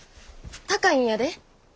高いんやで。